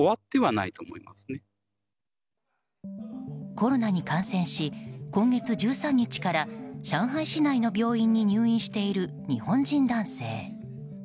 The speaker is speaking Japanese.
コロナに感染し今月１３日から上海市内の病院に入院している日本人男性。